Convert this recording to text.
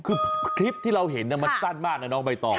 คือคลิปที่เราเห็นมันสั้นมากนะน้องใบตอง